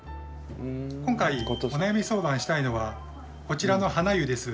今回お悩み相談したいのはこちらのハナユです。